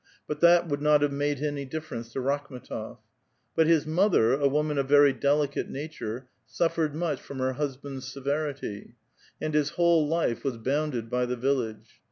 But that would not have made any^ ditiei^ence to liakbm^tof . But bis mother, a woman of very" delicate nature, suffered much from her husband's severity ; and his whole life was l)ouuded by the village.